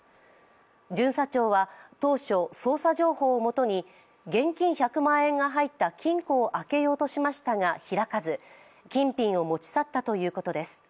巡査長は当初、捜査情報をもとに現金１００万円が入った金庫を開けようとしましたが開かず金品を持ち去ったということです。